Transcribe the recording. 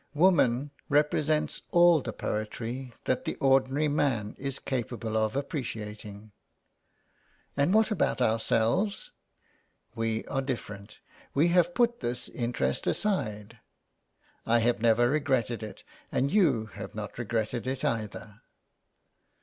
Woman represents all the poetry that the ordinary man is capable of appreciating." " And what about ourselves ?" "We are different. We have put this interest aside, I have never regretted it, and you have not regretted it either."